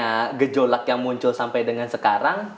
sehingga dengan banyaknya gejolak yang muncul sampai dengan sekarang